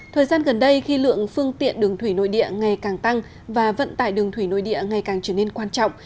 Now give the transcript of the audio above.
thời gian gần đây khi lượng phương tiện đường thủy nội địa ngày càng tăng và vận tải đường thủy nội địa ngày càng trở nên quan trọng